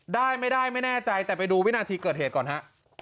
ได้ไม่ได้ไม่แน่ใจแต่ไปดูวินาทีเกิดเหตุก่อนฮะ